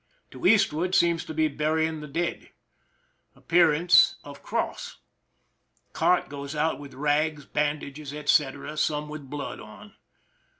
To Ed seem to be burying the dead. Appearamie of cross. Cart goes out with rags, bandages, etc., some mth blood on.